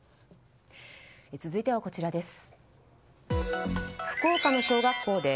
続いてはこちらです。